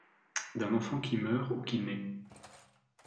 D'un enfant qui meurt ou qui naît ;